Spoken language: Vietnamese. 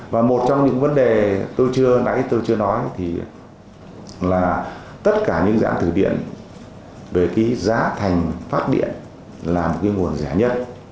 và một trong những vấn đề tôi chưa nói là tất cả những dạng thủy điện về giá thành phát điện là nguồn rẻ nhất